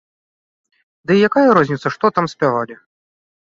Ды і якая розніца, што там спявалі?